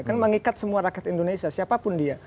kan mengikat semua rakyat indonesia siapapun dia